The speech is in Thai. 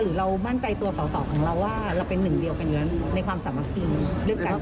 หรือเรามั่นใจตัวต่อของเราว่าเราเป็นหนึ่งเดียวกันอยู่แล้วในความสามารถด้วย